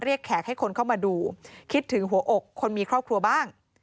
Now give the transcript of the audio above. แขกให้คนเข้ามาดูคิดถึงหัวอกคนมีครอบครัวบ้าง